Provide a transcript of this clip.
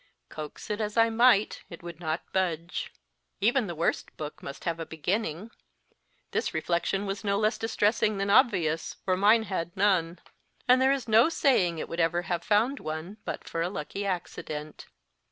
Coax it as I might it would not budge. Even the worst book must have a beginning this reflection was no less distressing than obvious, for mine had none. And there is no saying it would ever have found one but for a lucky accident.